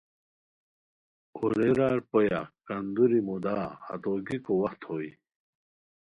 اوریرار پویا کندروی مُدا ہتو گیکو وخت ہوئے